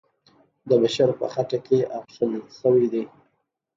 د بشر په خټه کې اغږل سوی دی.